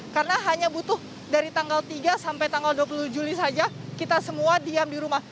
karena hanya butuh dari tanggal tiga sampai tanggal dua puluh juli saja kita semua diam di rumah